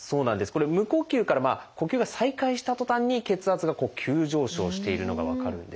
これ無呼吸から呼吸が再開したとたんに血圧が急上昇しているのが分かるんです。